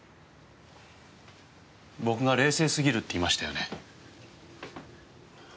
僕が冷静すぎるって言いましたよね。